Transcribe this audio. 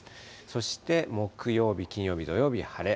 そして木曜日、金曜日、土曜日、晴れ。